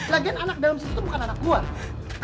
lagian anak dalam situ tuh bukan anak gue